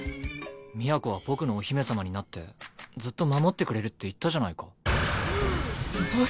都は僕のお姫様になってずっと守ってくれるって言ったじゃないか。